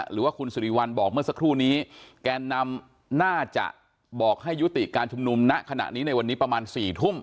หรือว่าคุณสิริวัลบอกเมื่อสักครู่นี้แกนนำน่าจะบอกให้ยุติการชุมนุมณขณะนี้ในวันนี้ประมาณ๔ทุ่ม